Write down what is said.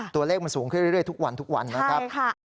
ตัวเลขมันสูงขึ้นเรื่อยทุกวันทุกวันนะครับ